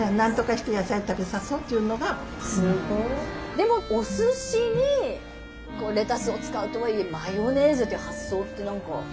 でもおすしにレタスを使うとはいえマヨネーズっていう発想って何かね